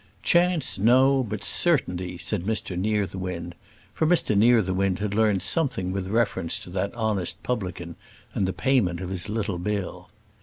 "Chance, no, but certainty," said Mr Nearthewinde; for Mr Nearthewinde had learnt something with reference to that honest publican and the payment of his little bill.